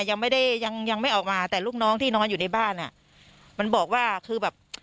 ยังไม่ได้ยังยังไม่ออกมาแต่ลูกน้องที่นอนอยู่ในบ้านอ่ะมันบอกว่าคือแบบ